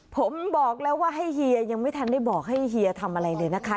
ผมบอกแล้วว่าให้เฮียยังไม่ทันได้บอกให้เฮียทำอะไรเลยนะคะ